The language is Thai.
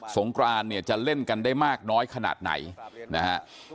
งกรานเนี่ยจะเล่นกันได้มากน้อยขนาดไหนนะฮะ